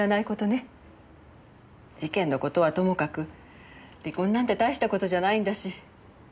事件の事はともかく離婚なんて大した事じゃないんだし。